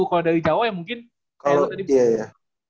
kalau dari jawa ya mungkin kayak lo tadi bilang